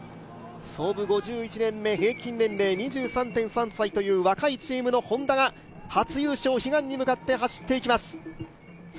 創部５１年目、平均年齢２３．３歳という若いチームのＨｏｎｄａが初優勝、悲願に向かって走っていきます。